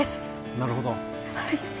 なるほど。